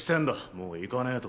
もう行かねと。